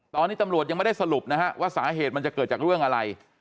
ตอนนี้ตำรวจยังไม่ได้สรุปนะฮะว่าสาเหตุมันจะเกิดจากเรื่องอะไร